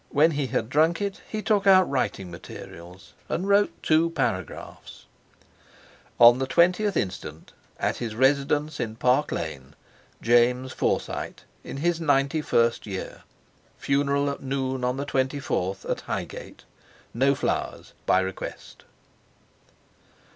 When he had drunk it, he took out writing materials and wrote two paragraphs: "On the 20th instant at his residence in Park Lane, James Forsyte, in his ninety first year. Funeral at noon on the 24th at Highgate. No flowers by request."